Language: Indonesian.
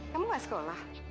kamu nggak sekolah